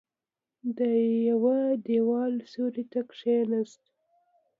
د يوه دېوال سيوري ته کېناست.